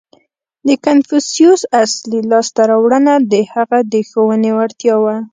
• د کنفوسیوس اصلي لاسته راوړنه د هغه د ښوونې وړتیا وه.